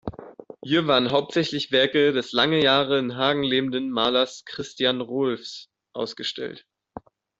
Hier waren hauptsächlich Werke des lange Jahre in Hagen lebenden Malers Christian Rohlfs ausgestellt.